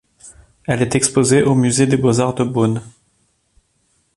Elle est exposée au musée des Beaux-arts de Beaune.